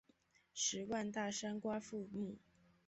十万大山瓜馥木